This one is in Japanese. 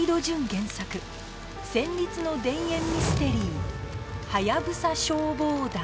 原作戦慄の田園ミステリー『ハヤブサ消防団』